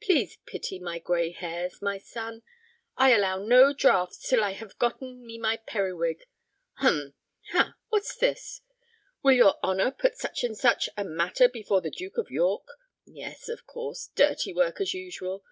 Please pity my gray hairs, my son. I allow no draughts till I have gotten me my periwig. Hum—ha, what's this! Will your honor put such and such a matter before the Duke of York? Yes, of course, dirty work, as usual.